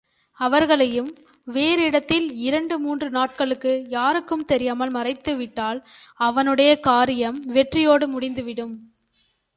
அவர்களையும் வேறு இடத்தில் இரண்டு மூன்று நாள்களுக்கு யாருக்கும் தெரியாமல் மறைத்துவிட்டால் அவனுடைய காரியம் வெற்றியோடு முடிந்துவிடும்.